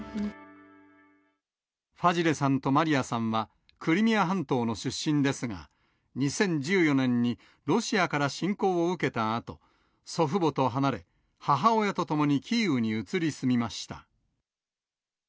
ファジレさんとマリアさんは、クリミア半島の出身ですが、２０１４年にロシアから侵攻を受けたあと、祖父母と離れ、母親と共にキーウに移り住みました。